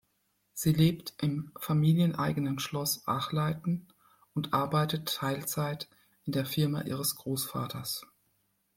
Sie lebt im familieneigenen Schloss Achleiten und arbeitet Teilzeit in der Firma ihres Großvaters.